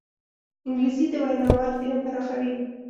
انګلیسي د ویناوال علم پراخوي